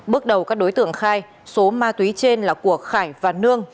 bước đầu các đối tượng khai số ma túy trên là của khải và nương